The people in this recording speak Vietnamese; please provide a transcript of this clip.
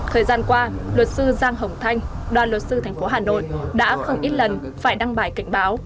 thời gian qua luật sư giang hồng thanh đoàn luật sư thành phố hà nội đã không ít lần phải đăng bài cảnh báo